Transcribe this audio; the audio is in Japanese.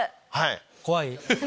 怖い。